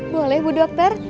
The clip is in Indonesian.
boleh bu dokter